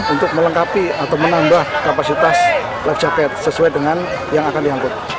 untuk melengkapi atau menambah kapasitas life jacket sesuai dengan yang akan diangkut